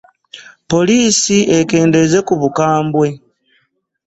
Poliisi ekendeeze ku bukabwe.